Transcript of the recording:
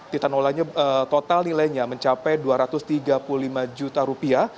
titan olahnya total nilainya mencapai rp dua ratus tiga puluh lima juta